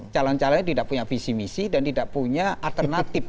calon calonnya tidak punya visi misi dan tidak punya alternatif